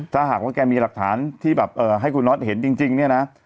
ถ้าหากว่าแกมีหลักฐานที่แบบให้คุณน็อตเห็นจริงเนี่ยนะ